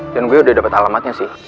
dan gue udah dapet alamatnya sih